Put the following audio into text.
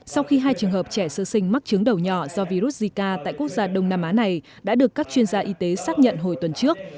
sau khi hai trường hợp trẻ sơ sinh mắc chứng đầu nhỏ do virus zika tại quốc gia đông nam á này đã được các chuyên gia y tế xác nhận hồi tuần trước